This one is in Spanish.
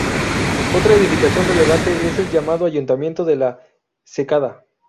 Otra edificación relevante es el llamado "ayuntamiento" de La Secada.